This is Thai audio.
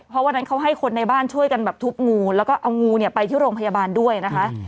เพราะวันนั้นเขาให้คนในบ้านช่วยกันแบบทุบงูแล้วก็เอางูเนี่ยไปที่โรงพยาบาลด้วยนะคะ